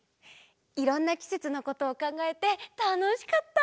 いろんなきせつのことをかんがえてたのしかった！